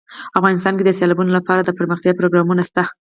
افغانستان کې د سیلابونه لپاره دپرمختیا پروګرامونه شته.